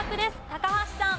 高橋さん。